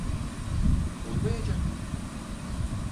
Olmayacak mı?